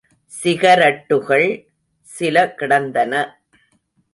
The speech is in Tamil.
சிகரட்டுகள் சில கிடந்தன.